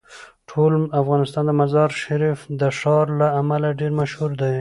ټول افغانستان د مزارشریف د ښار له امله ډیر مشهور دی.